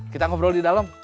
kita ngobrol di dalam